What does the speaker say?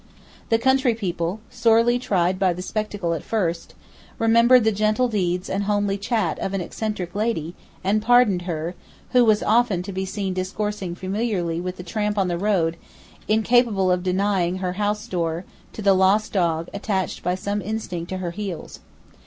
The country people, sorely tried by the spectacle at first, remembered the gentle deeds and homely chat of an eccentric lady, and pardoned her, who was often to be seen discoursing familiarly with the tramp on the road, incapable of denying her house door to the lost dog attached by some instinct to her heels.